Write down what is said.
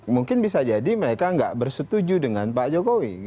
mungkin bisa jadi mereka nggak bersetuju dengan pak jokowi